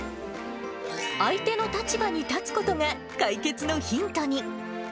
相手の立場に立つことが、解決のヒントに。